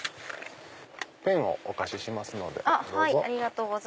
ペンをお貸ししますのでどうぞ。